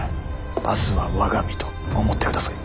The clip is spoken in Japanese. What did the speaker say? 明日は我が身と思ってください。